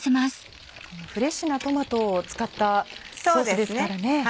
フレッシュなトマトを使ったソースですからね。